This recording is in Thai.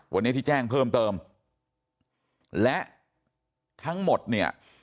วันนี้ที่แจ้งเพิ่มเติมและทั้งหมดเนี่ย